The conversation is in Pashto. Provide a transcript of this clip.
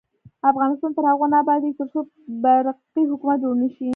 افغانستان تر هغو نه ابادیږي، ترڅو برقی حکومت جوړ نشي.